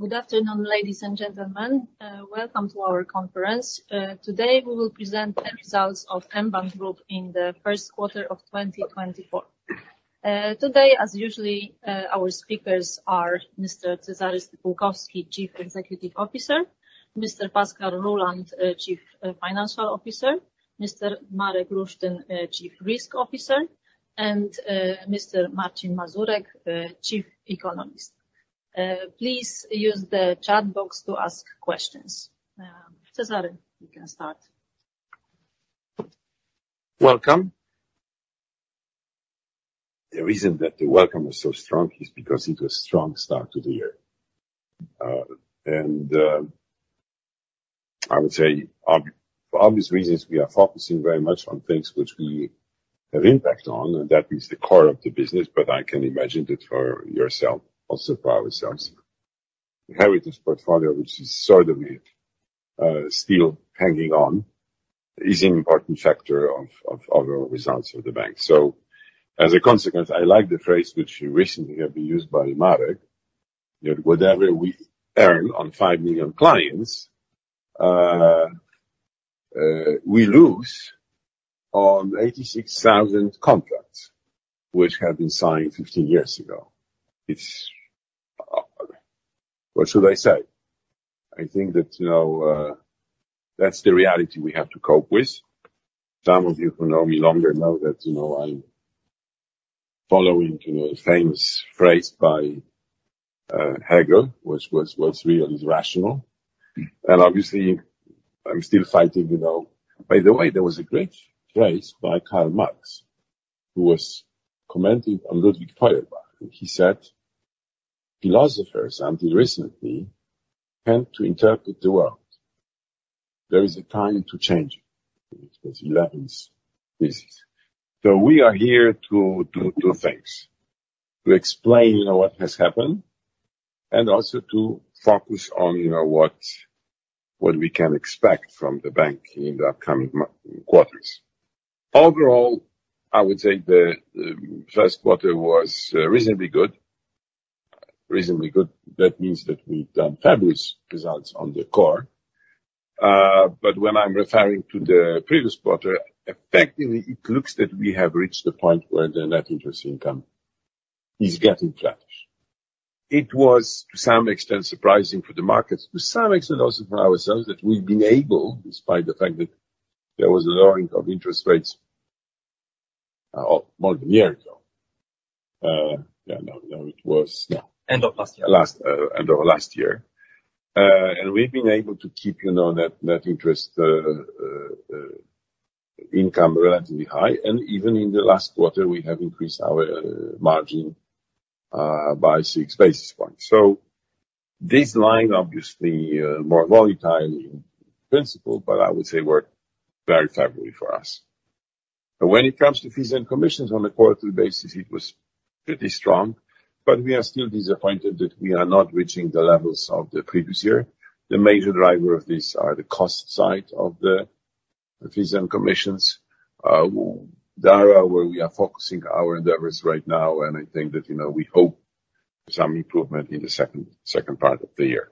Good afternoon, ladies and gentlemen. Welcome to our conference. Today we will present the results of mBank Group in the first quarter of 2024. Today, as usual, our speakers are Mr. Cezary Stypułkowski, Chief Executive Officer; Mr. Pascal Ruhland, Chief Financial Officer; Mr. Marek Lusztyn, Chief Risk Officer; and Mr. Marcin Mazurek, Chief Economist. Please use the chat box to ask questions. Cezary, you can start. Welcome. The reason that the welcome was so strong is because it was a strong start to the year. I would say obvi for obvious reasons we are focusing very much on things which we have impact on, and that is the core of the business, but I can imagine that for yourself, also for ourselves. The heritage portfolio, which is sort of, still hanging on, is an important factor of our results of the bank. So as a consequence, I like the phrase which recently had been used by Marek, that whatever we earn on five million clients, we lose on 86,000 contracts which have been signed 15 years ago. It's, what should I say? I think that, you know, that's the reality we have to cope with. Some of you who know me longer know that, you know, I'm following, you know, the famous phrase by Hegel, which was real is rational. And obviously I'm still fighting, you know. By the way, there was a great phrase by Karl Marx who was commenting on Ludwig Feuerbach. He said, "Philosophers, until recently, tend to interpret the world. There is a time to change it." It was 11th thesis. So we are here to do two things, to explain, you know, what has happened and also to focus on, you know, what we can expect from the bank in the upcoming few quarters. Overall, I would say the first quarter was reasonably good. Reasonably good, that means that we've done fabulous results on the core. But when I'm referring to the previous quarter, effectively it looks that we have reached the point where the net interest income is getting flattish. It was to some extent surprising for the markets, to some extent also for ourselves, that we've been able, despite the fact that there was a lowering of interest rates, oh, more than a year ago. Yeah, no, no, it was, yeah. End of last year. At the end of last year, we've been able to keep, you know, net, net interest income relatively high. Even in the last quarter we have increased our margin by six basis points. So this line obviously more volatile in principle, but I would say worked very favorably for us. But when it comes to fees and commissions on a quarterly basis it was pretty strong, but we are still disappointed that we are not reaching the levels of the previous year. The major driver of this are the cost side of the fees and commissions, with that area where we are focusing our endeavors right now, and I think that, you know, we hope for some improvement in the second, second part of the year.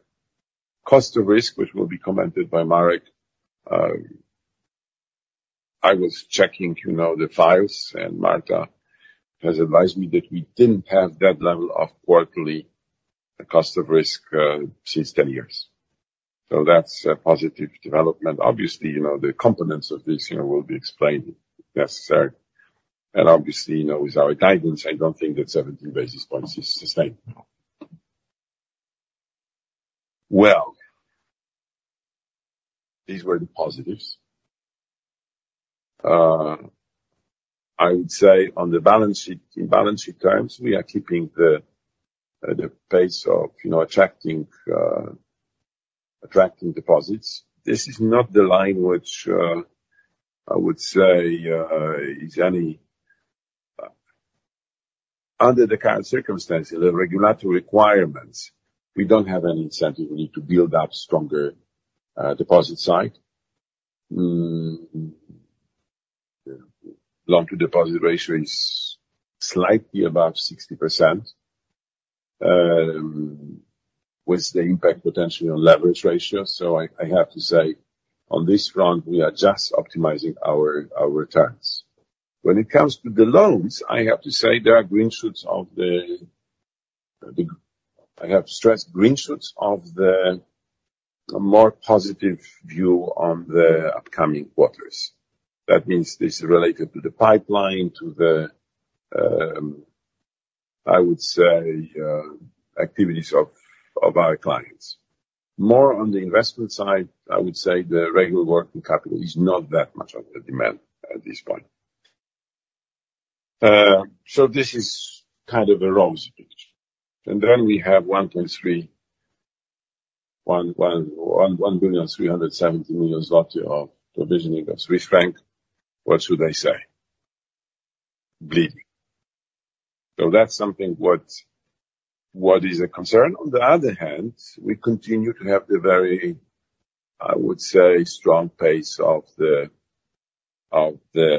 Cost of risk, which will be commented by Marek. I was checking, you know, the files and Marta has advised me that we didn't have that level of quarterly cost of risk since 10 years. So that's positive development. Obviously, you know, the components of this, you know, will be explained if necessary. And obviously, you know, with our guidance I don't think that 17 basis points is sustainable. Well, these were the positives. I would say on the balance sheet in balance sheet terms we are keeping the pace of, you know, attracting deposits. This is not the line which, I would say, is any under the current circumstances the regulatory requirements; we don't have any incentive really to build up stronger deposit side. The loan-to-deposit ratio is slightly above 60% with the impact potentially on leverage ratio. So I have to say on this front we are just optimizing our returns. When it comes to the loans I have to say there are green shoots of the. I have to stress green shoots of the more positive view on the upcoming quarters. That means this is related to the pipeline, to the, I would say, activities of our clients. More on the investment side I would say the regular working capital is not that much on the demand at this point. So this is kind of a rosy picture. And then we have 1 billion 370 million of provisioning of Swiss franc. What should I say? Bleeding. So that's something what is a concern. On the other hand we continue to have the very, I would say, strong pace of the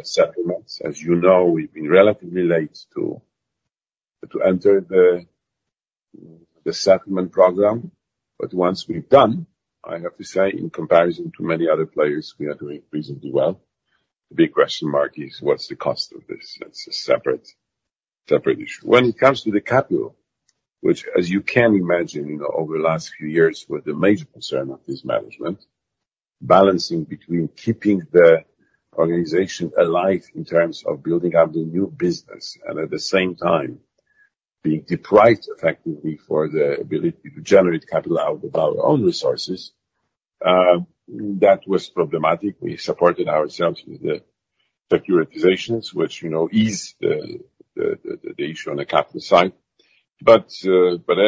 settlements. As you know we've been relatively late to enter the settlement program. But once we've done, I have to say in comparison to many other players we are doing reasonably well. The big question mark is what's the cost of this? That's a separate issue. When it comes to the capital, which as you can imagine, you know, over the last few years was the major concern of this management, balancing between keeping the organization alive in terms of building up the new business and at the same time being deprived effectively for the ability to generate capital out of our own resources, that was problematic. We supported ourselves with the securitizations, which, you know, ease the issue on the capital side. But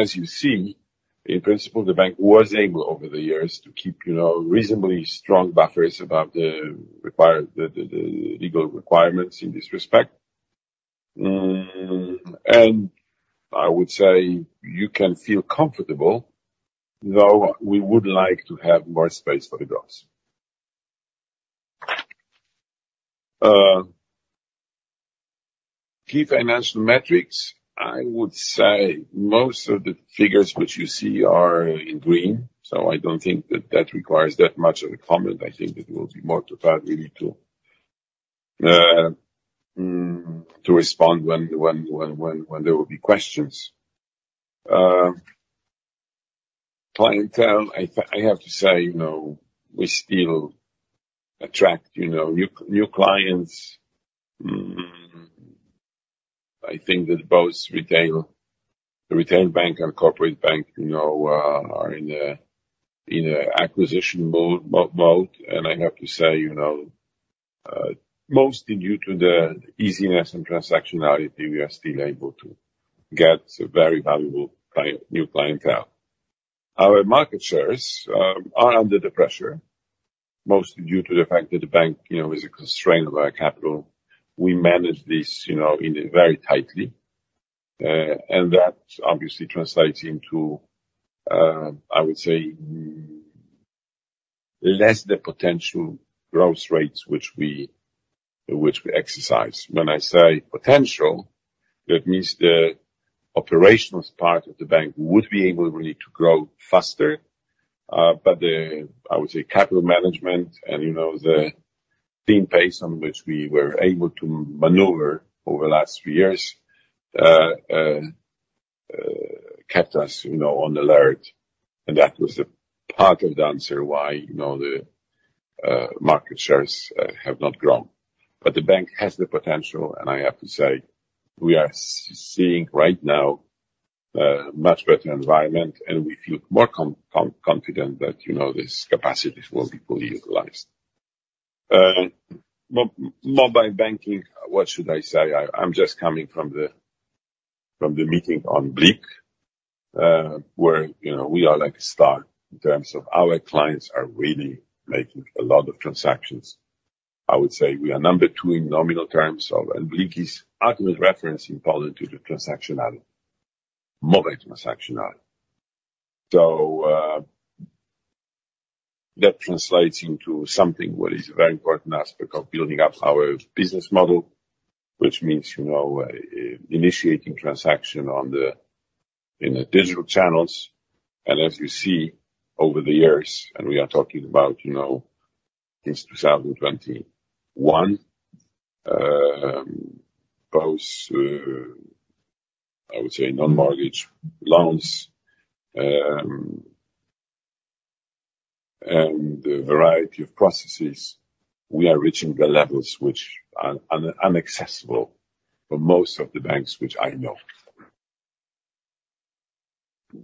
as you see in principle the bank was able over the years to keep, you know, reasonably strong buffers about the required legal requirements in this respect. I would say you can feel comfortable though we would like to have more space for the growth. Key financial metrics I would say most of the figures which you see are in green. So I don't think that that requires that much of a comment. I think it will be more prepared really to respond when there will be questions. Clientele, I have to say, you know, we still attract, you know, new clients. I think that both the retail bank and corporate bank, you know, are in an acquisition mode. I have to say, you know, mostly due to the easiness and transactionality we are still able to get very valuable clientele. Our market shares are under the pressure mostly due to the fact that the bank, you know, is a constraint of our capital. We manage these, you know, in a very tightly. And that obviously translates into, I would say, less the potential growth rates which we exercise. When I say potential that means the operational part of the bank would be able really to grow faster. But the I would say capital management and, you know, the team pace on which we were able to maneuver over the last three years kept us, you know, on alert. That was the part of the answer why, you know, the market shares have not grown. But the bank has the potential and I have to say we are seeing right now, much better environment and we feel more confident that, you know, this capacity will be fully utilized. Mobile banking, what should I say? I'm just coming from the meeting on BLIK, where, you know, we are like a star in terms of our clients are really making a lot of transactions. I would say we are number two in nominal terms of and BLIK is ultimate reference in Poland to the transactionality, mobile transactionality. So, that translates into something what is a very important aspect of building up our business model, which means, you know, initiating transaction on the in the digital channels. As you see over the years and we are talking about, you know, since 2021, both, I would say non-mortgage loans, and the variety of processes we are reaching the levels which are inaccessible for most of the banks which I know.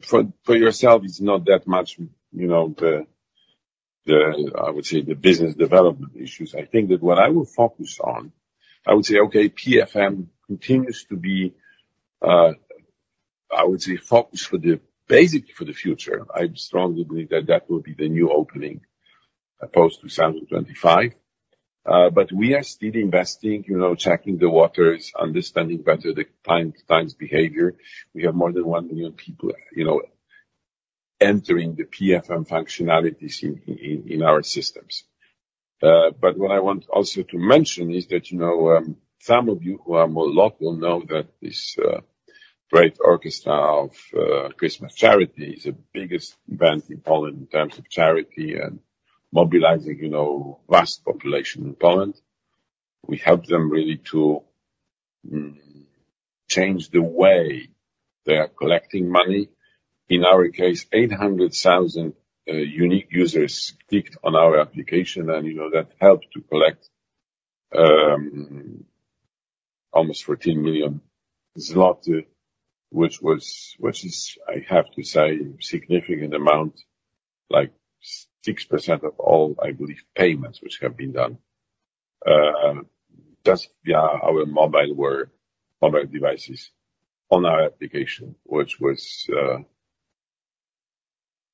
For yourself it's not that much, you know, the I would say the business development issues. I think that what I will focus on I would say, okay, PFM continues to be, I would say focus for the basically for the future. I strongly believe that that will be the new opening opposed to 2025. We are still investing, you know, checking the waters, understanding better the client time's behavior. We have more than one million people, you know, entering the PFM functionalities in our systems. But what I want also to mention is that, you know, some of you who are more local know that this Great Orchestra of Christmas Charity is the biggest event in Poland in terms of charity and mobilizing, you know, vast population in Poland. We help them really to change the way they are collecting money. In our case, 800,000 unique users clicked on our application and, you know, that helped to collect almost 14 million zloty, which is, I have to say, a significant amount, like 6% of all, I believe, payments which have been done just via our mobile, our mobile devices on our application, which was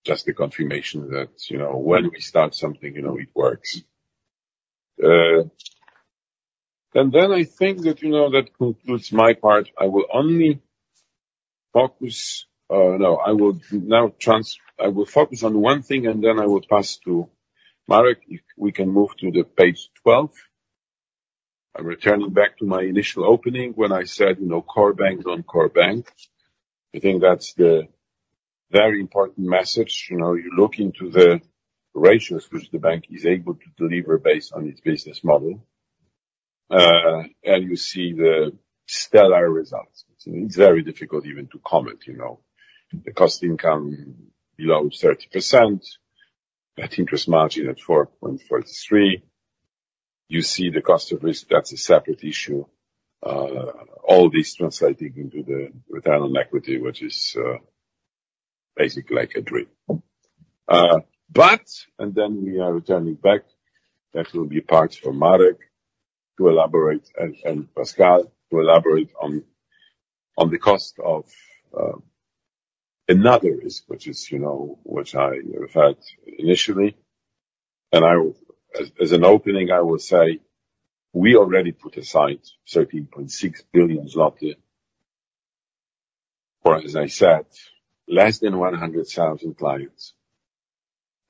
just the confirmation that, you know, when we start something, you know, it works. And then I think that, you know, that concludes my part. I will focus on one thing and then I will pass to Marek if we can move to the page 12. I'm returning back to my initial opening when I said, you know, core bank's on core bank. I think that's the very important message. You know, you look into the ratios which the bank is able to deliver based on its business model, and you see the stellar results. It's very difficult even to comment, you know. The cost income below 30%, net interest margin at 4.43%. You see the cost of risk, that's a separate issue. All this translating into the return on equity which is, basically, like a dream. then we are returning back. That will be part for Marek to elaborate and Pascal to elaborate on the cost of another risk which is, you know, which I referred initially. And I will, as an opening, I will say we already put aside 13.6 billion zloty for, as I said, less than 100,000 clients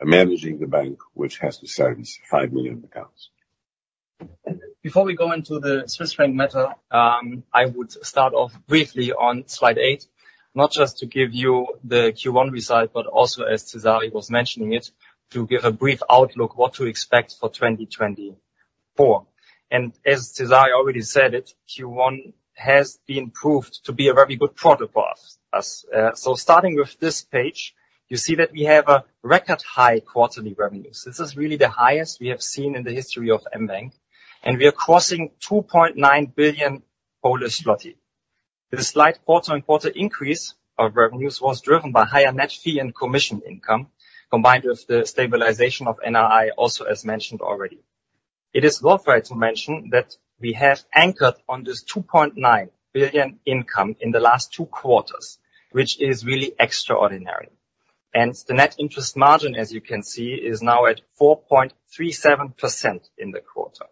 managing the bank which has to service five million accounts. Before we go into the Swiss franc matter, I would start off briefly on slide 8 not just to give you the Q1 result but also as Cezary was mentioning it to give a brief outlook what to expect for 2024. As Cezary already said, Q1 has proved to be a very good period, so starting with this page you see that we have a record high quarterly revenues. This is really the highest we have seen in the history of mBank and we are crossing 2.9 billion. This slight quarter-on-quarter increase of revenues was driven by higher net fee and commission income combined with the stabilization of NII also as mentioned already. It is worthwhile to mention that we have anchored on this 2.9 billion income in the last two quarters which is really extraordinary. The net interest margin as you can see is now at 4.37% in the quarter.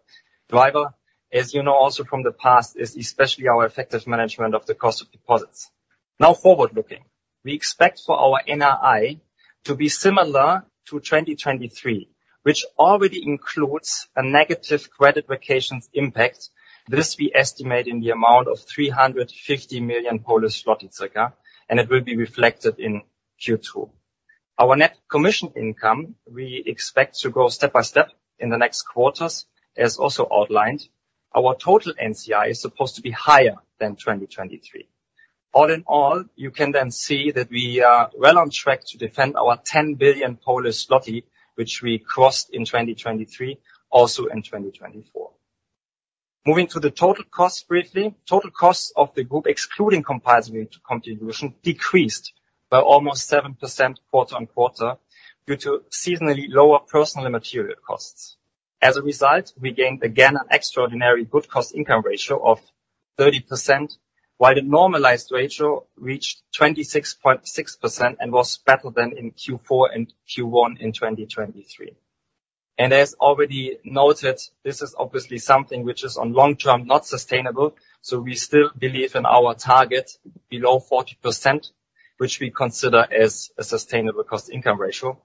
Driver as you know also from the past is especially our effective management of the cost of deposits. Now forward-looking we expect for our NII to be similar to 2023 which already includes a negative credit valuation impact. This we estimate in the amount of 350 million Polish zloty circa and it will be reflected in Q2. Our net commission income we expect to go step by step in the next quarters as also outlined. Our total NCI is supposed to be higher than 2023. All in all you can then see that we are well on track to defend our 10 billion which we crossed in 2023 also in 2024. Moving to the total costs briefly. Total costs of the group excluding compulsory contribution decreased by almost 7% quarter-on-quarter due to seasonally lower personnel and material costs. As a result, we gained again an extraordinary good cost income ratio of 30% while the normalized ratio reached 26.6% and was better than in Q4 and Q1 in 2023. As already noted, this is obviously something which is on long term not sustainable so we still believe in our target below 40% which we consider as a sustainable cost income ratio.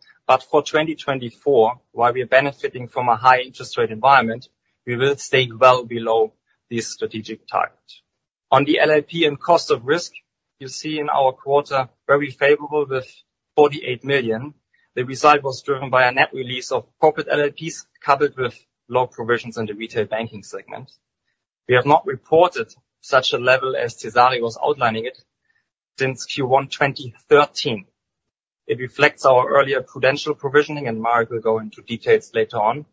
For 2024 while we are benefiting from a high interest rate environment we will stay well below this strategic target. On the LLP and cost of risk you see in our quarter very favorable with 48 million. The result was driven by a net release of corporate LLPs coupled with low provisions in the retail banking segment. We have not reported such a level as Cezary was outlining it since Q1 2013. It reflects our earlier prudential provisioning and Marek will go into details later on.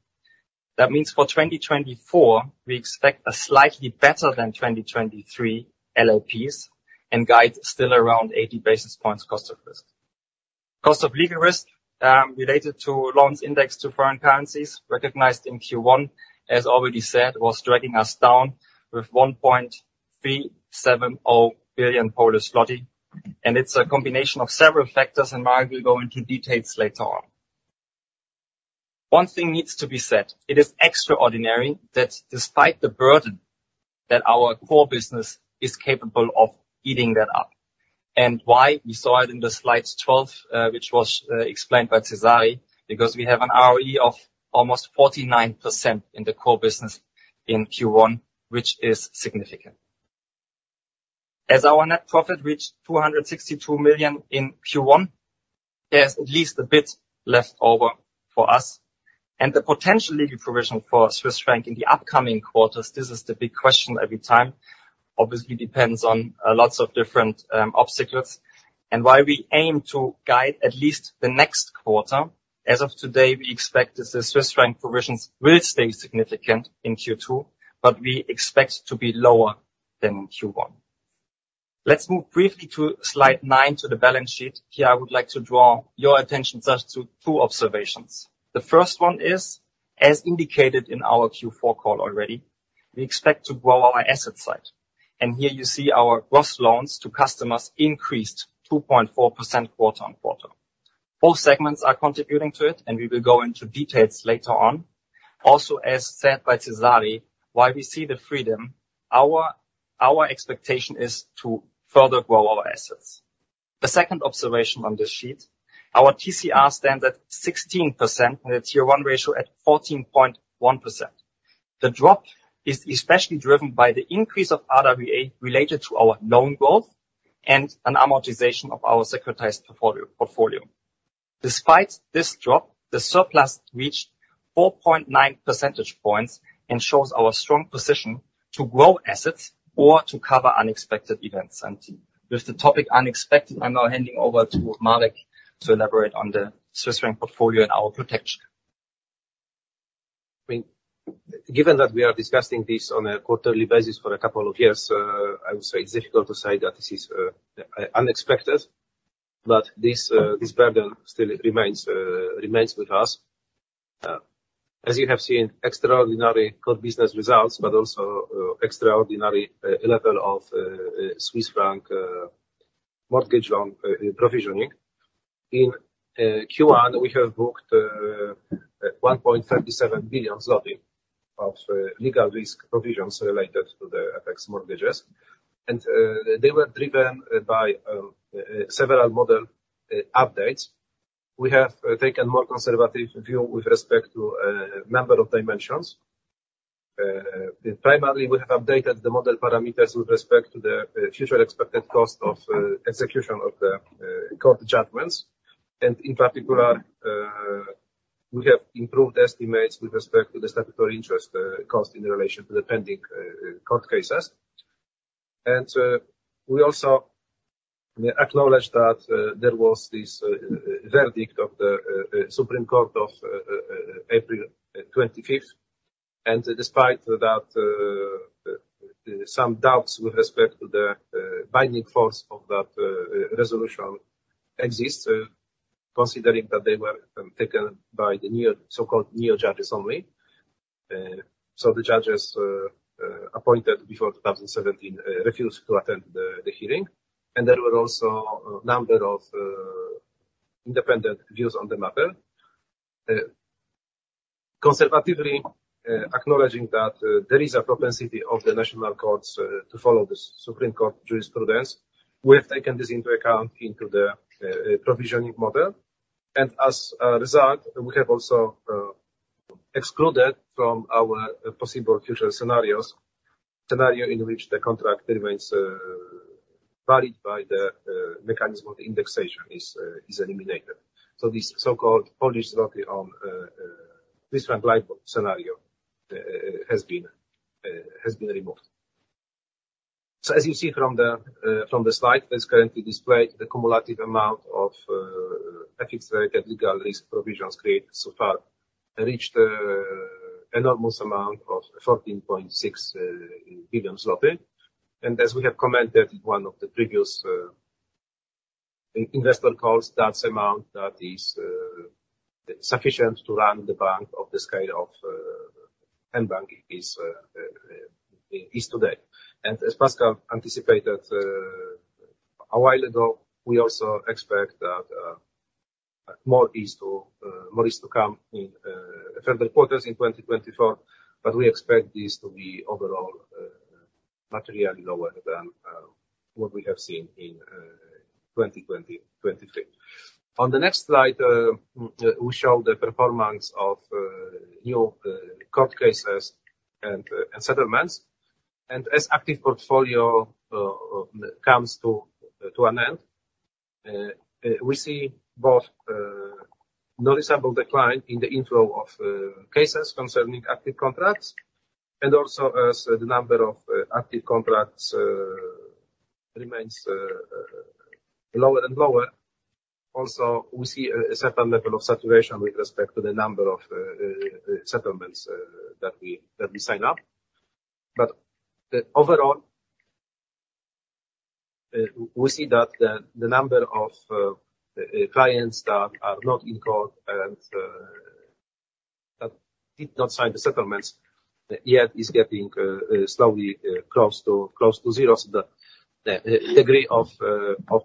That means for 2024 we expect a slightly better than 2023 LLPs and guide still around 80 basis points cost of risk. Cost of legal risk, related to loans indexed to foreign currencies recognized in Q1, as already said, was dragging us down with 1.370 billion Polish zloty. And it's a combination of several factors and Marek will go into details later on. One thing needs to be said it is extraordinary that despite the burden that our core business is capable of eating that up and why we saw it in the slide 12, which was explained by Cezary because we have an ROE of almost 49% in the core business in Q1 which is significant. As our net profit reached 262 million in Q1, there's at least a bit left over for us. The potential legal provision for Swiss franc in the upcoming quarters; this is the big question every time. Obviously, it depends on lots of different obstacles. While we aim to guide at least the next quarter, as of today we expect that the Swiss franc provisions will stay significant in Q2 but we expect to be lower than in Q1. Let's move briefly to slide nine to the balance sheet. Here I would like to draw your attention just to two observations. The first one is, as indicated in our Q4 call already, we expect to grow our asset side. Here you see our gross loans to customers increased 2.4% quarter-on-quarter. Both segments are contributing to it and we will go into details later on. Also, as said by Cezary, while we see the freedom, our expectation is to further grow our assets. The second observation on this sheet, our TCR stands at 16% and the Tier 1 ratio at 14.1%. The drop is especially driven by the increase of RWA related to our loan growth and an amortization of our securitized portfolio. Despite this drop, the surplus reached 4.9 percentage points and shows our strong position to grow assets or to cover unexpected events. And with the topic unexpected, I'm now handing over to Marek to elaborate on the Swiss franc portfolio and our protection. I mean, given that we are discussing this on a quarterly basis for a couple of years, I would say it's difficult to say that this is unexpected. But this burden still remains with us. As you have seen extraordinary core business results but also extraordinary level of Swiss franc mortgage loan provisioning. In Q1 we have booked 1.37 billion zloty of legal risk provisions related to the FX mortgages. And they were driven by several model updates. We have taken a more conservative view with respect to number of dimensions. Primarily we have updated the model parameters with respect to the future expected cost of execution of the court judgments. And in particular, we have improved estimates with respect to the statutory interest cost in relation to the pending court cases. And we also acknowledge that there was this verdict of the Supreme Court of April 25th. And despite that, some doubts with respect to the binding force of that resolution exist, considering that they were taken by the mere so-called neo-judges only. So the judges appointed before 2017 refused to attend the hearing. And there were also a number of independent views on the matter. Conservatively, acknowledging that there is a propensity of the national courts to follow this Supreme Court jurisprudence, we have taken this into account into the provisioning model. And as a result we have also excluded from our possible future scenarios the scenario in which the contract remains valid by the mechanism of the indexation is eliminated. So this so-called Polish zloty on Swiss franc lifeboat scenario has been removed. So as you see from the slide that's currently displayed, the cumulative amount of FX-related legal risk provisions created so far reached an enormous amount of 14.6 billion zloty. As we have commented in one of the previous investor calls, that amount that is sufficient to run the bank of the scale of mBank is today. And as Pascal anticipated a while ago, we also expect that more is to come in further quarters in 2024. But we expect this to be overall materially lower than what we have seen in 2020-23. On the next slide, we show the performance of new court cases and settlements. And as active portfolio comes to an end, we see both noticeable decline in the inflow of cases concerning active contracts. And also as the number of active contracts remains lower and lower, also we see a certain level of saturation with respect to the number of settlements that we sign up. But overall, we see that the number of clients that are not in court and that did not sign the settlements yet is getting slowly close to zero. So the degree of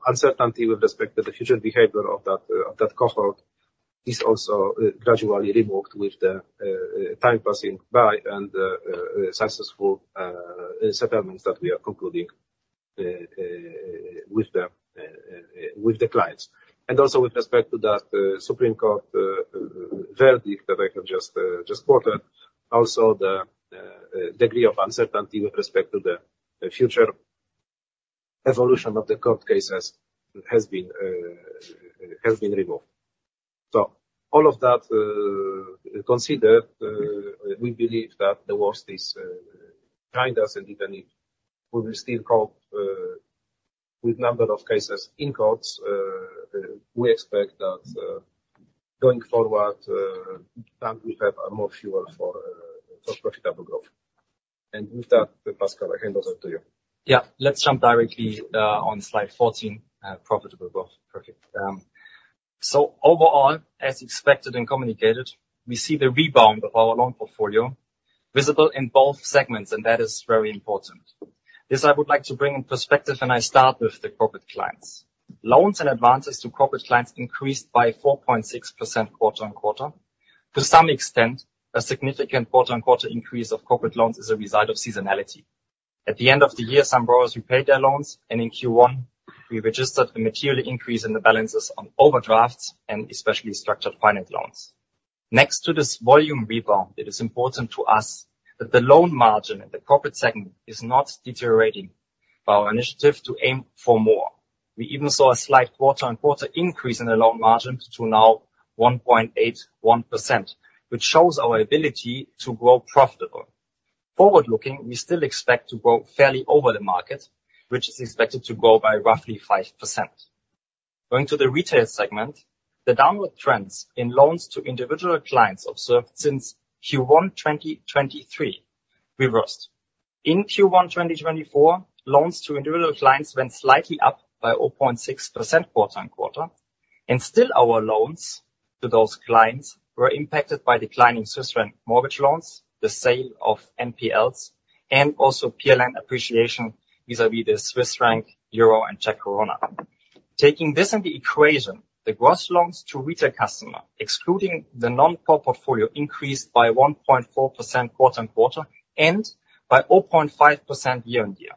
uncertainty with respect to the future behavior of that cohort is also gradually removed with the time passing by and the successful settlements that we are concluding with the clients. And also with respect to that Supreme Court verdict that I have just quoted, also the degree of uncertainty with respect to the future evolution of the court cases has been removed. So all of that considered, we believe that the worst is behind us and even if we will still cope with number of cases in courts, we expect that going forward that we have more fuel for profitable growth. With that, Pascal, I hand over to you. Yeah. Let's jump directly on slide 14, profitable growth. Perfect. So overall as expected and communicated we see the rebound of our loan portfolio visible in both segments and that is very important. This I would like to bring in perspective and I start with the corporate clients. Loans and advances to corporate clients increased by 4.6% quarter-on-quarter. To some extent a significant quarter-on-quarter increase of corporate loans is a result of seasonality. At the end of the year some borrowers repaid their loans and in Q1 we registered a material increase in the balances on overdrafts and especially structured finance loans. Next to this volume rebound it is important to us that the loan margin in the corporate segment is not deteriorating by our initiative to aim for more. We even saw a slight quarter-on-quarter increase in the loan margin to now 1.81%, which shows our ability to grow profitable. Forward-looking, we still expect to grow fairly over the market, which is expected to grow by roughly 5%. Going to the retail segment, the downward trends in loans to individual clients observed since Q1 2023 reversed. In Q1 2024, loans to individual clients went slightly up by 0.6% quarter-on-quarter. And still, our loans to those clients were impacted by declining Swiss franc mortgage loans, the sale of NPLs, and also PLN appreciation vis-à-vis the Swiss franc, euro, and Czech koruna. Taking this into equation, the gross loans to retail customer excluding the non-core portfolio increased by 1.4% quarter-on-quarter and by 0.5% year-on-year.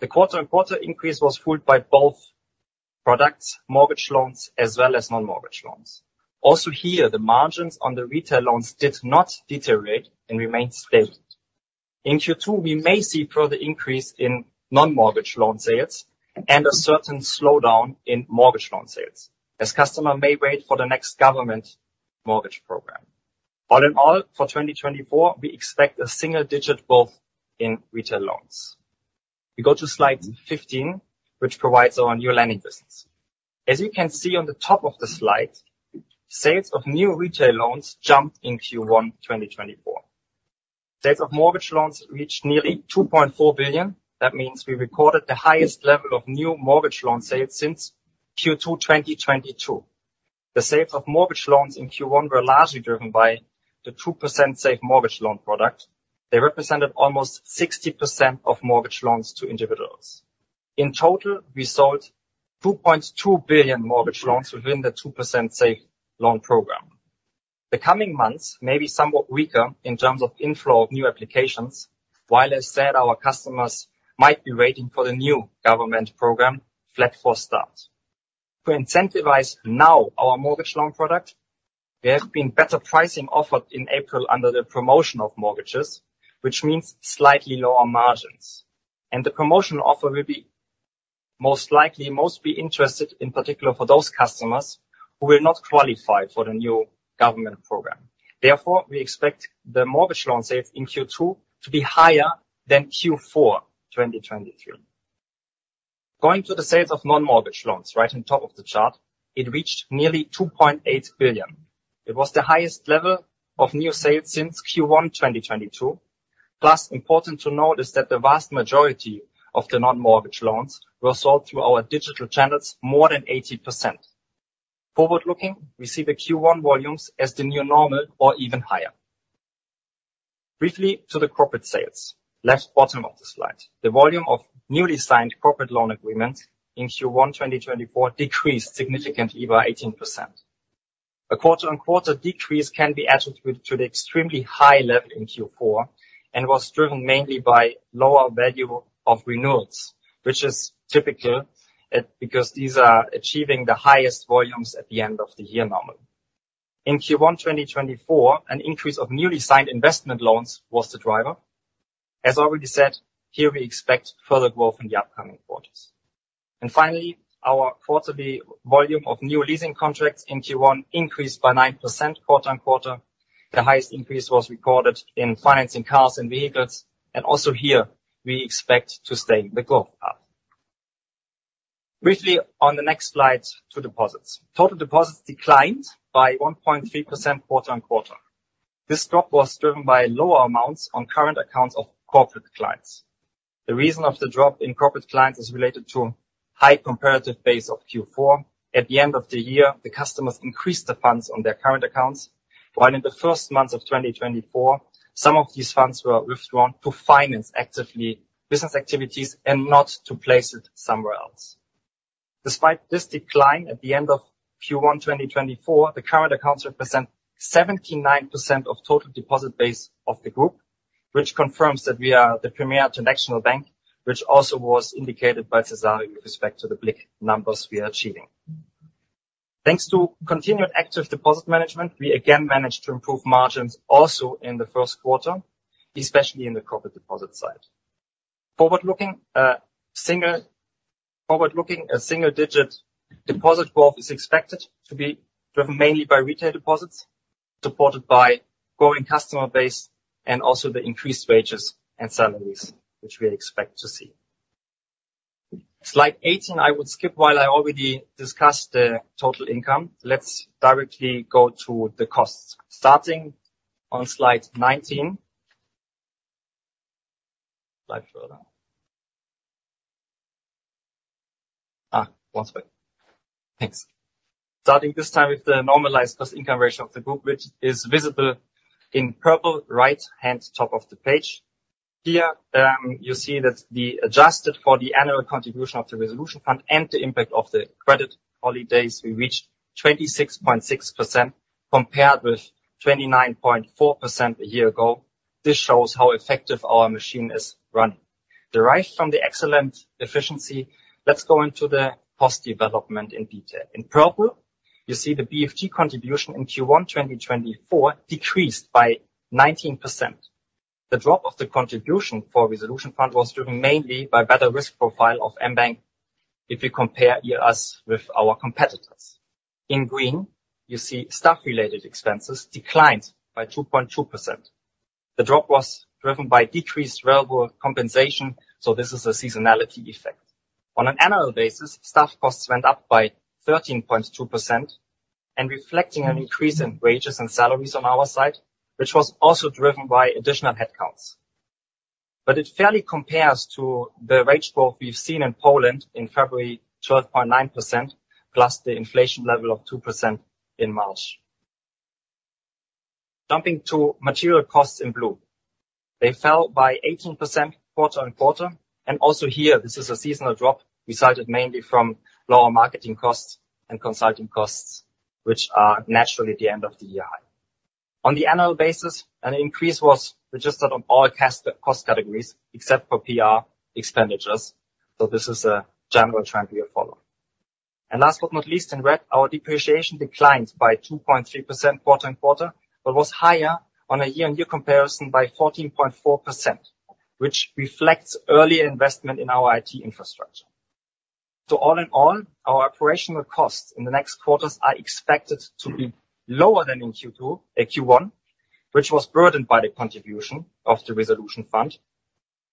The quarter-on-quarter increase was fueled by both products mortgage loans as well as non-mortgage loans. Also here the margins on the retail loans did not deteriorate and remained stable. In Q2 we may see further increase in non-mortgage loan sales and a certain slowdown in mortgage loan sales as customers may wait for the next government mortgage program. All in all for 2024 we expect a single digit growth in retail loans. We go to slide 15 which provides our new lending business. As you can see on the top of the slide sales of new retail loans jumped in Q1 2024. Sales of mortgage loans reached nearly 2.4 billion. That means we recorded the highest level of new mortgage loan sales since Q2 2022. The sales of mortgage loans in Q1 were largely driven by the 2% Safe Mortgage Loan product. They represented almost 60% of mortgage loans to individuals. In total we sold 2.2 billion mortgage loans within the 2% Safe Loan program. The coming months may be somewhat weaker in terms of inflow of new applications while, as said, our customers might be waiting for the new government program Flat for Start. To incentivize now our mortgage loan product, there have been better pricing offered in April under the promotion of mortgages, which means slightly lower margins. The promotional offer will be most likely most be interested in particular for those customers who will not qualify for the new government program. Therefore, we expect the mortgage loan sales in Q2 to be higher than Q4 2023. Going to the sales of non-mortgage loans, right on top of the chart, it reached nearly 2.8 billion. It was the highest level of new sales since Q1 2022. Plus, important to note, is that the vast majority of the non-mortgage loans were sold through our digital channels more than 80%. Forward-looking, we see the Q1 volumes as the new normal or even higher. Briefly, to the corporate sales. Left, bottom of the slide. The volume of newly signed corporate loan agreements in Q1 2024 decreased significantly by 18%. A quarter-on-quarter decrease can be attributed to the extremely high level in Q4 and was driven mainly by lower value of renewals which is typical, because these are achieving the highest volumes at the end of the year normal. In Q1 2024, an increase of newly signed investment loans was the driver. As already said, here we expect further growth in the upcoming quarters. And finally, our quarterly volume of new leasing contracts in Q1 increased by 9% quarter-on-quarter. The highest increase was recorded in financing cars and vehicles. And also, here we expect to stay in the growth path. Briefly, on the next slide, to deposits. Total deposits declined by 1.3% quarter-on-quarter. This drop was driven by lower amounts on current accounts of corporate clients. The reason of the drop in corporate clients is related to high comparative base of Q4. At the end of the year the customers increased the funds on their current accounts while in the first months of 2024 some of these funds were withdrawn to finance actively business activities and not to place it somewhere else. Despite this decline at the end of Q1 2024 the current accounts represent 79% of total deposit base of the group which confirms that we are the premier international bank which also was indicated by Cezary with respect to the BLIK numbers we are achieving. Thanks to continued active deposit management we again managed to improve margins also in the first quarter especially in the corporate deposit side. Forward-looking, single forward-looking a single digit deposit growth is expected to be driven mainly by retail deposits supported by growing customer base and also the increased wages and salaries which we expect to see. Slide 18, I would skip while I already discussed the total income. Let's directly go to the costs. Starting on slide 19. Slide further. One second. Thanks. Starting this time with the normalized cost-income ratio of the group which is visible in purple right-hand top of the page. Here, you see that the adjusted for the annual contribution of the resolution fund and the impact of the credit holidays we reached 26.6% compared with 29.4% a year ago. This shows how effective our machine is running. Derived from the excellent efficiency, let's go into the cost development in detail. In purple you see the BFG contribution in Q1 2024 decreased by 19%. The drop of the contribution for resolution fund was driven mainly by better risk profile of mBank if you compare ERS with our competitors. In green you see staff-related expenses declined by 2.2%. The drop was driven by decreased relevant compensation so this is a seasonality effect. On an annual basis staff costs went up by 13.2% and reflecting an increase in wages and salaries on our side which was also driven by additional headcounts. But it fairly compares to the wage growth we've seen in Poland in February 12.9% plus the inflation level of 2% in March. Jumping to material costs in blue. They fell by 18% quarter-on-quarter. And also here this is a seasonal drop resulted mainly from lower marketing costs and consulting costs which are naturally the end of the year high. On an annual basis an increase was registered on all cost categories except for PR expenditures. So this is a general trend we are following. And last but not least in red our depreciation declined by 2.3% quarter-over-quarter but was higher on a year-over-year comparison by 14.4% which reflects earlier investment in our IT infrastructure. So all in all our operational costs in the next quarters are expected to be lower than in Q2, Q1 which was burdened by the contribution of the resolution fund.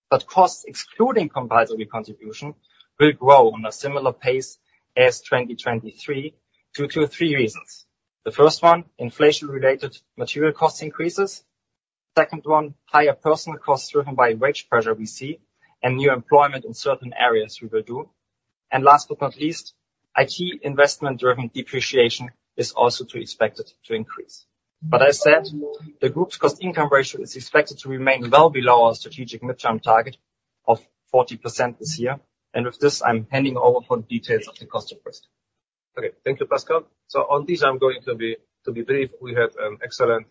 But costs excluding compulsory contribution will grow on a similar pace as 2023 due to three reasons. The first one inflation-related material cost increases. Second one higher personel costs driven by wage pressure we see and new employment in certain areas we will do. And last but not least IT investment-driven depreciation is also to be expected to increase. But as said, the group's cost-income ratio is expected to remain well below our strategic midterm target of 40% this year. With this, I'm handing over for the details of the cost of risk. Okay. Thank you, Pascal. So on these I'm going to be brief. We had an excellent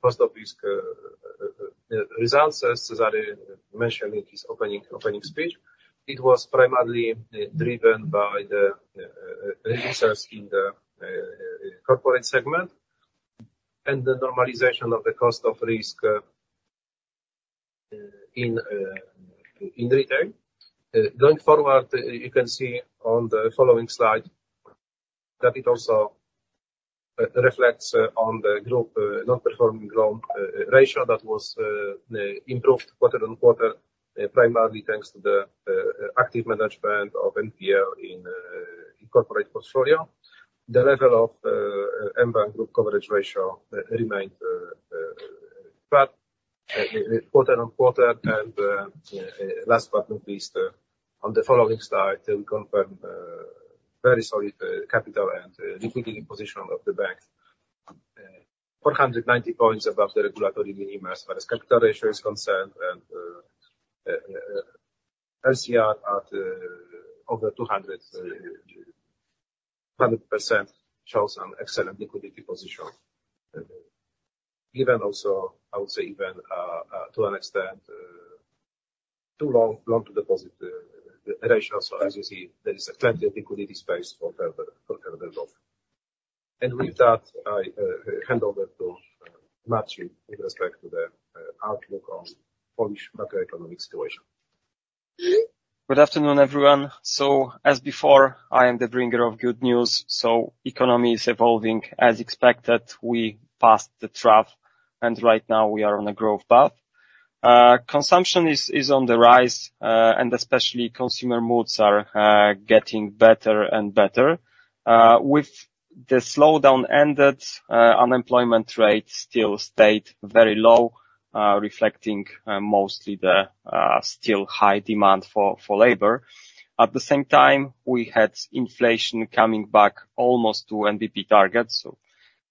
cost of risk results as Cezary mentioned in his opening speech. It was primarily driven by the releases in the corporate segment and the normalization of the cost of risk in retail. Going forward, you can see on the following slide that it also reflects on the group non-performing loan ratio that was improved quarter-on-quarter, primarily thanks to the active management of NPL in corporate portfolio. The level of mBank Group coverage ratio remained flat quarter-on-quarter. And last but not least, on the following slide we confirm very solid capital and liquidity position of the bank, 490 points above the regulatory minimums whereas capital ratio is concerned and LCR at over 200% 100% shows an excellent liquidity position. Given also, I would say even, to an extent, too long loan-to-deposit ratio. So as you see, there is plenty of liquidity space for further growth. And with that, I hand over to Marcin with respect to the outlook on Polish macroeconomic situation. Good afternoon, everyone. So as before I am the bringer of good news. So economy is evolving as expected. We passed the trough and right now we are on a growth path. Consumption is on the rise, and especially consumer moods are getting better and better. With the slowdown ended, unemployment rate still stayed very low, reflecting mostly the still high demand for labor. At the same time we had inflation coming back almost to NBP targets so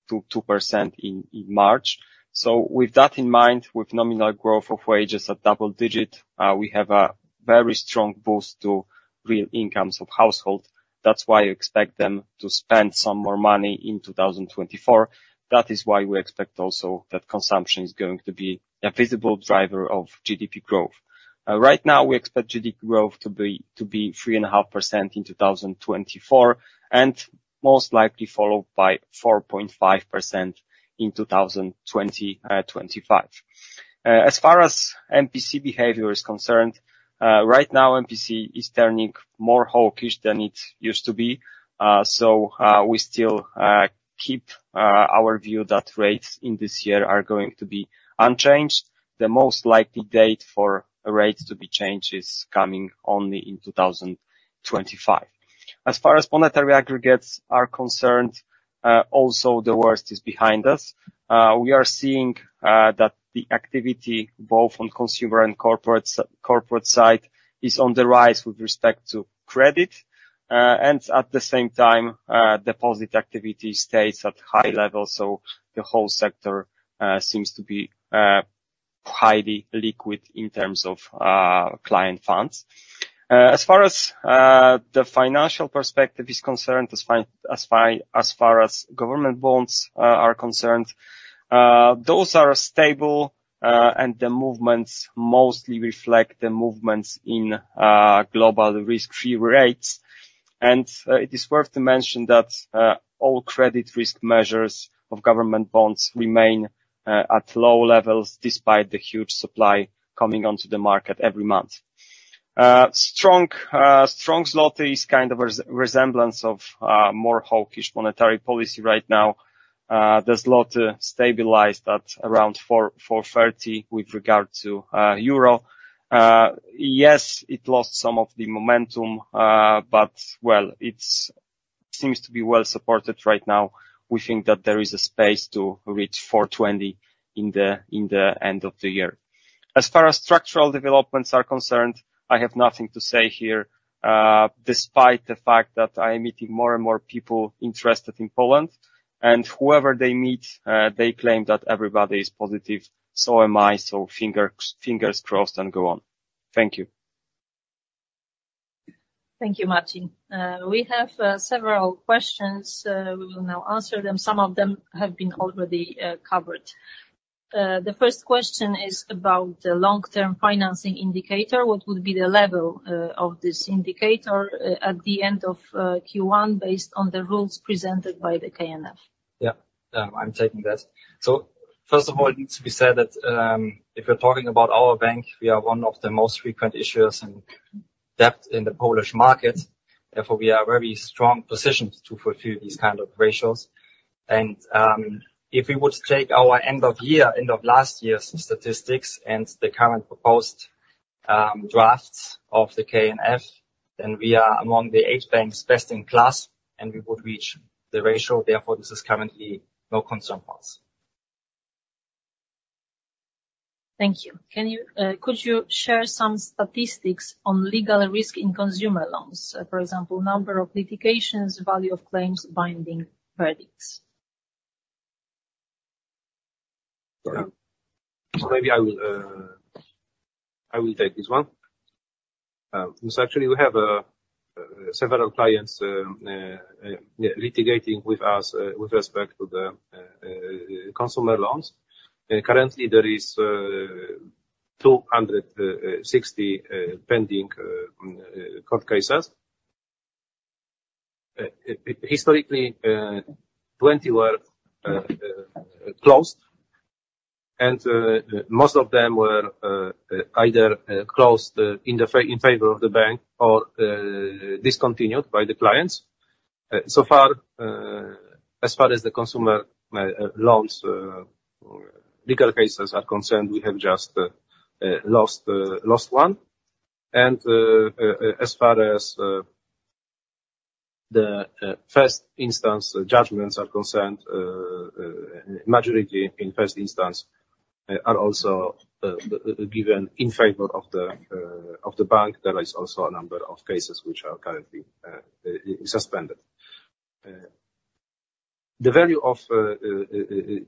to 2% in March. So with that in mind with nominal growth of wages at double digit, we have a very strong boost to real incomes of household. That's why you expect them to spend some more money in 2024. That is why we expect also that consumption is going to be a visible driver of GDP growth. Right now we expect GDP growth to be 3.5% in 2024 and most likely followed by 4.5% in 2025. As far as MPC behavior is concerned, right now MPC is turning more hawkish than it used to be. So, we still keep our view that rates in this year are going to be unchanged. The most likely date for rates to be changed is coming only in 2025. As far as monetary aggregates are concerned, also the worst is behind us. We are seeing that the activity both on consumer and corporate side is on the rise with respect to credit. And at the same time, deposit activity stays at high level. So the whole sector seems to be highly liquid in terms of client funds. As far as the financial perspective is concerned, as far as government bonds are concerned, those are stable, and the movements mostly reflect the movements in global risk-free rates. And it is worth to mention that all credit risk measures of government bonds remain at low levels despite the huge supply coming onto the market every month. Strong zloty is kind of a resemblance of more hawkish monetary policy right now. The zloty stabilized at around 4.30 with regard to euro. Yes, it lost some of the momentum, but well it seems to be well supported right now. We think that there is a space to reach 4.20 in the end of the year. As far as structural developments are concerned, I have nothing to say here, despite the fact that I am meeting more and more people interested in Poland. Whoever they meet, they claim that everybody is positive. So am I. So, fingers, fingers crossed and go on. Thank you. Thank you, Marcin. We have several questions. We will now answer them. Some of them have been already covered. The first question is about the long-term financing indicator. What would be the level of this indicator at the end of Q1 based on the rules presented by the KNF? Yeah. I'm taking that. So first of all it needs to be said that, if we're talking about our bank, we are one of the most frequent issuers in debt in the Polish market. Therefore we are very strong positioned to fulfill these kind of ratios. And, if we would take our end of year end of last year's statistics and the current proposed drafts of the KNF, then we are among the eight banks best in class and we would reach the ratio. Therefore this is currently no concern for us. Thank you. Could you share some statistics on legal risk in consumer loans? For example, number of litigations, value of claims, binding verdicts. Sorry. So maybe I will, I will take this one. So actually we have several clients litigating with us with respect to the consumer loans. Currently there is 260 pending court cases. Historically 20 were closed and most of them were either closed in favor of the bank or discontinued by the clients. So far, as far as the consumer loans legal cases are concerned we have just lost one. And as far as the first instance judgments are concerned, majority in first instance are also given in favor of the bank. There is also a number of cases which are currently suspended. The value of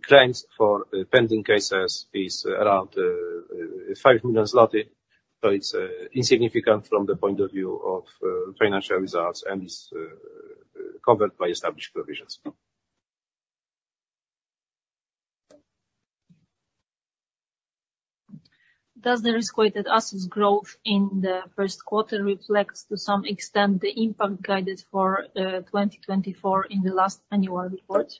claims for pending cases is around 5 million zloty. So it's insignificant from the point of view of financial results and is covered by established provisions. Does the risk-weighted assets growth in the first quarter reflect to some extent the impact guided for 2024 in the last annual report?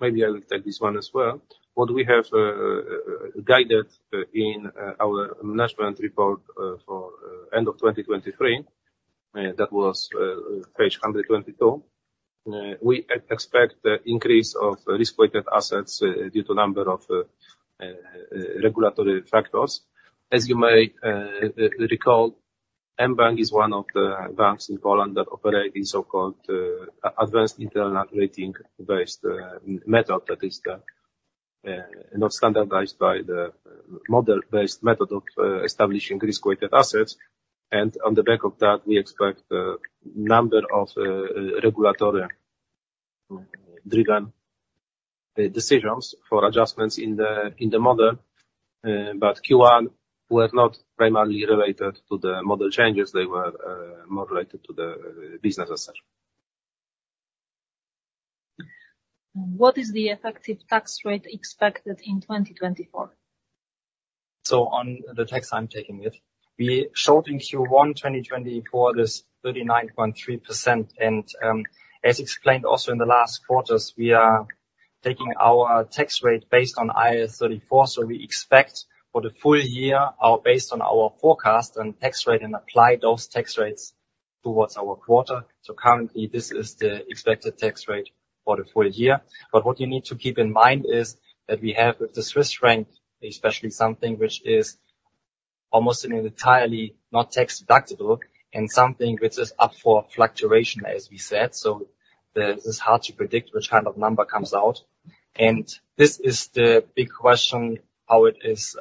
Maybe I will take this one as well. What we have guidance in our management report for end of 2023, that was page 122, we expect the increase of risk-weighted assets due to number of regulatory factors. As you may recall, mBank is one of the banks in Poland that operate in so-called advanced internal rating-based method. That is the not standardized model-based method of establishing risk-weighted assets. And on the back of that we expect number of regulatory driven decisions for adjustments in the model. But Q1 were not primarily related to the model changes. They were more related to the business as such. What is the effective tax rate expected in 2024? So on the tax, I'm taking it we showed in Q1 2024 this 39.3%. And, as explained also in the last quarters, we are taking our tax rate based on IAS 34. So we expect for the full year our based on our forecast and tax rate and apply those tax rates towards our quarter. So currently this is the expected tax rate for the full year. But what you need to keep in mind is that we have with the Swiss franc especially something which is almost an entirely not tax deductible and something which is up for fluctuation as we said. So the it is hard to predict which kind of number comes out. And this is the big question how it is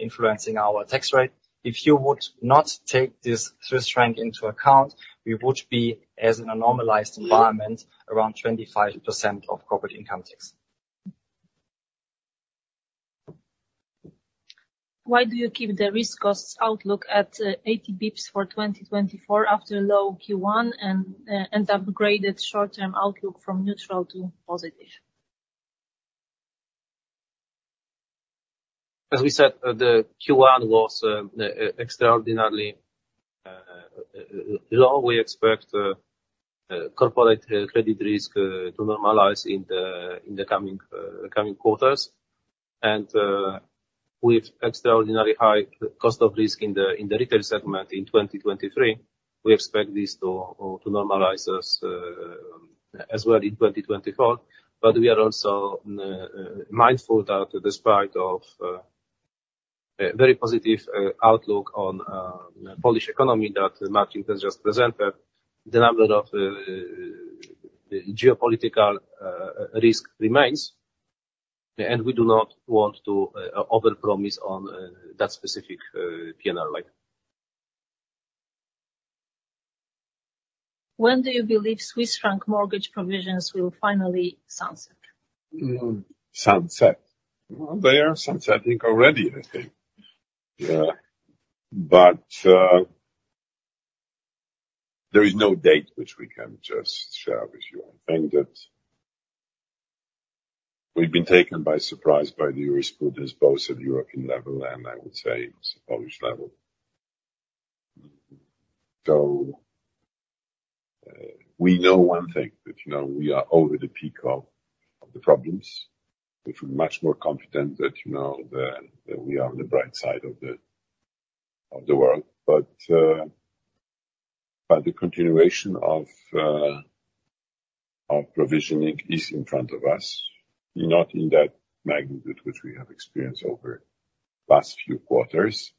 influencing our tax rate. If you would not take this Swiss franc into account, we would be as in a normalized environment around 25% of corporate income tax. Why do you keep the risk costs outlook at 80 bps for 2024 after a low Q1 and upgraded short-term outlook from neutral to positive? As we said, the Q1 was extraordinarily low. We expect corporate credit risk to normalize in the coming quarters. And, with extraordinarily high cost of risk in the retail segment in 2023, we expect this to normalize as well in 2024. But we are also mindful that despite very positive outlook on the Polish economy that Marcin has just presented, the number of geopolitical risks remains. And we do not want to overpromise on that specific P&L line. When do you believe Swiss franc mortgage provisions will finally sunset? Sunset? Well, they are sunsetting already I think. Yeah. But there is no date which we can just share with you. I think that we've been taken by surprise by the EU jurisprudence both at European level and I would say also Polish level. So we know one thing that, you know, we are over the peak of the problems. We feel much more confident that, you know, we are on the bright side of the world. But the continuation of provisioning is in front of us. Not in that magnitude which we have experienced over last few quarters.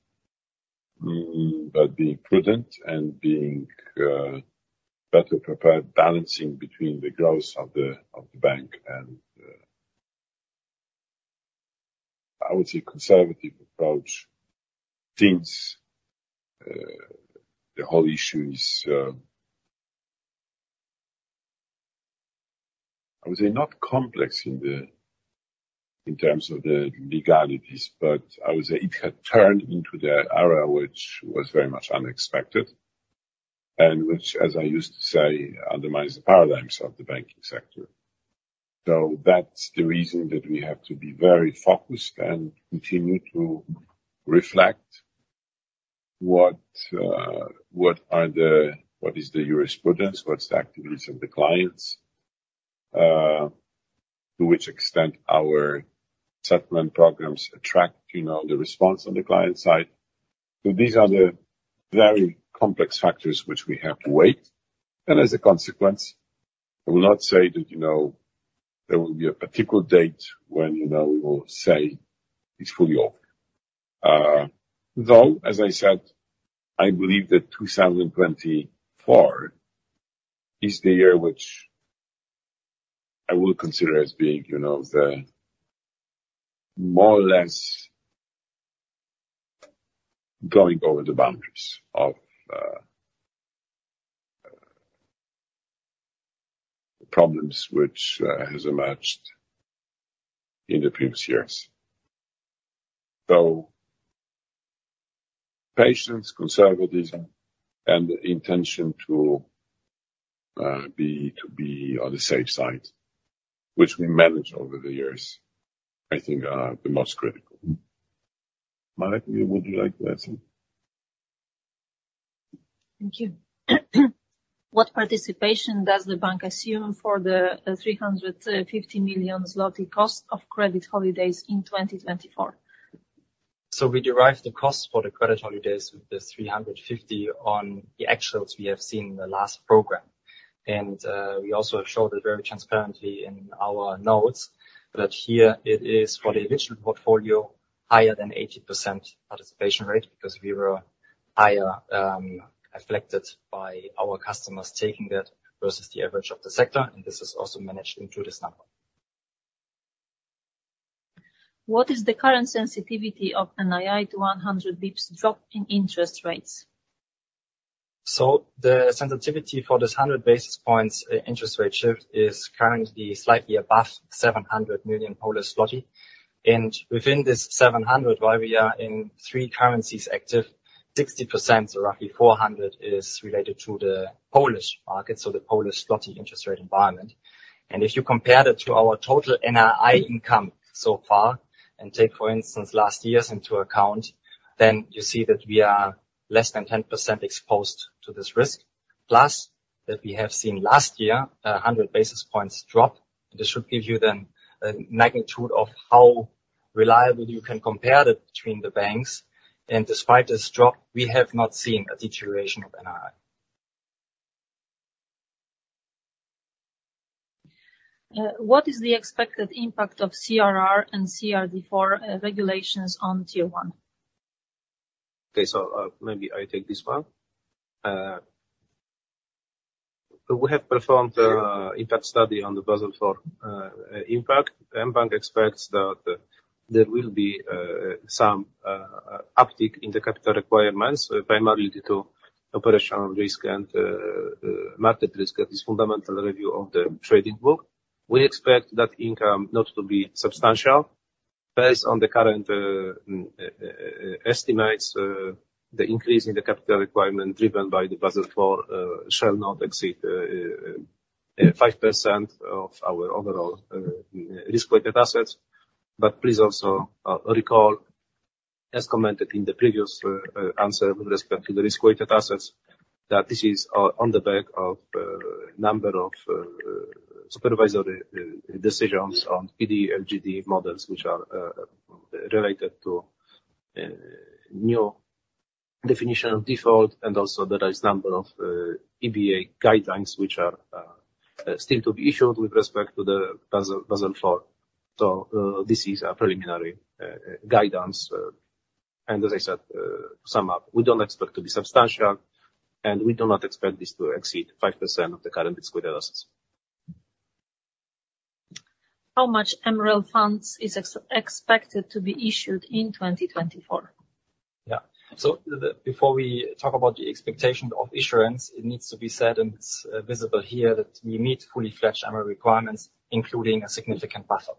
But being prudent and being better prepared balancing between the growth of the bank and, I would say conservative approach since the whole issue is, I would say not complex in terms of the legalities. But I would say it had turned into the era which was very much unexpected and which as I used to say undermines the paradigms of the banking sector. So that's the reason that we have to be very focused and continue to reflect what... what is the jurisprudence? What's the activities of the clients? To which extent our settlement programs attract, you know, the response on the client side? So these are the very complex factors which we have to weigh. And as a consequence I will not say that, you know, there will be a particular date when, you know, we will say it's fully over. Though as I said I believe that 2024 is the year which I will consider as being, you know, the more or less going over the boundaries of problems which has emerged in the previous years. So patience, conservatism, and the intention to be on the safe side, which we manage over the years, I think are the most critical. Marek, would you like to add something? Thank you. What participation does the bank assume for the 350 million zloty cost of credit holidays in 2024? So we derive the cost for the credit holidays with the 350 on the actuals we have seen in the last program. We also have showed it very transparently in our notes that here it is, for the original portfolio, higher than 80% participation rate because we were higher, affected by our customers taking that versus the average of the sector. This is also managed into this number. What is the current sensitivity of NII to 100 basis points drop in interest rates? So the sensitivity for this 100 basis points interest rate shift is currently slightly above 700 million Polish zloty. And within this 700 while we are in three currencies active 60% so roughly 400 million is related to the Polish market. So the Polish zloty interest rate environment. And if you compare that to our total NII income so far and take for instance last years into account then you see that we are less than 10% exposed to this risk. Plus that we have seen last year, 100 basis points drop. And this should give you then, magnitude of how reliable you can compare that between the banks. And despite this drop we have not seen a deterioration of NII. What is the expected impact of CRR and CRD4 regulations on Tier 1? Okay. So, maybe I take this one. We have performed an impact study on the Basel 4 impact. mBank expects that there will be some uptick in the capital requirements primarily due to operational risk and market risk at this fundamental review of the trading book. We expect that impact not to be substantial. Based on the current estimates, the increase in the capital requirement driven by the Basel 4 shall not exceed 5% of our overall risk-weighted assets. But please also recall, as commented in the previous answer with respect to the risk-weighted assets, that this is on the back of a number of supervisory decisions on PD-LGD models which are related to the new definition of default. And also there is a number of EBA guidelines which are still to be issued with respect to the Basel 4. So, this is a preliminary guidance. as I said, to sum up we don't expect to be substantial. We do not expect this to exceed 5% of the current risk-weighted assets. How much MREL funds is expected to be issued in 2024? Yeah. So, before we talk about the expectation of issuance, it needs to be said, and it's visible here that we meet fully fledged MREL requirements, including a significant buffer.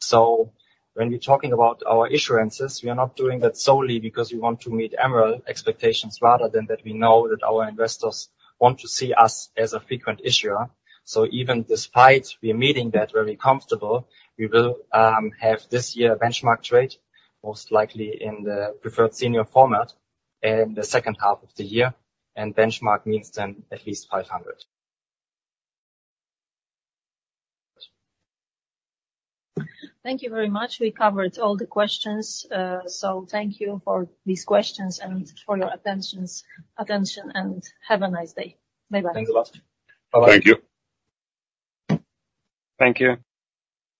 So when we're talking about our issuances, we are not doing that solely because we want to meet MREL expectations rather than that we know that our investors want to see us as a frequent issuer. So even despite we're meeting that very comfortable, we will have this year a benchmark trade most likely in the preferred senior format in the second half of the year. And benchmark means then at least 500. Thank you very much. We covered all the questions. Thank you for these questions and for your attention. Have a nice day. Bye-bye. Thanks a lot. Bye-bye. Thank you. Thank you.